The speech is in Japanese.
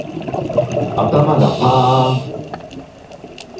頭がパーン